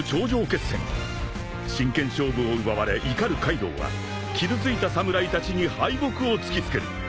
［真剣勝負を奪われ怒るカイドウは傷ついた侍たちに敗北を突き付ける］